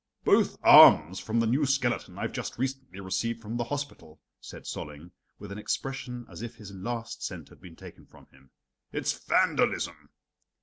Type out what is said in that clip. "Both arms from the new skeleton I've just recently received from the hospital," said Solling with an expression as if his last cent had been taken from him. "It's vandalism!"